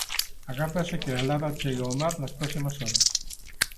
Agárdase que a lava chegue ao mar nas próximas horas.